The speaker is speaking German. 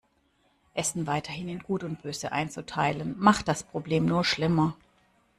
Essen weiterhin in gut und böse einzuteilen, macht das Problem nur schlimmer.